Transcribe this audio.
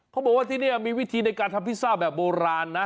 เขาบอกว่าที่นี่มีวิธีในการทำพิซซ่าแบบโบราณนะ